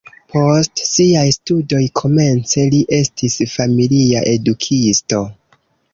Post siaj studoj komence li estis familia edukisto.